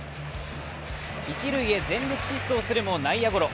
一塁へ全力疾走するも内野ゴロ。